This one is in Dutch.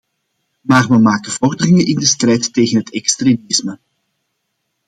Maar we maken vorderingen in de strijd tegen het extremisme.